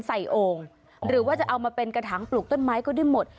โอ่งหรือว่าจะเอามาเป็นกระถางปลูกต้นไม้ก็ได้หมด